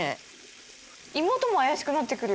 妹も怪しくなってくる。